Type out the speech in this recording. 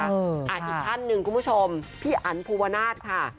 อีกท่านหนึ่งคุณผู้ชมพี่อันภูวนาศค่ะ